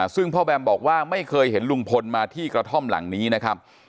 ซึ่งพ่อแบมบอกว่าไม่เคยเห็นลุงพลมาที่กระท่อมหลังนี้นะครับ